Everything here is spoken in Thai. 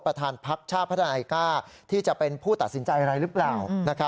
ประธานพักชาติพัฒนาไนก้าที่จะเป็นผู้ตัดสินใจอะไรหรือเปล่า